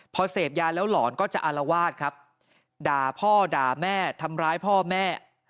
พอเสพยาแล้วหลอนก็จะอารวาสครับด่าพ่อด่าแม่ทำร้ายพ่อแม่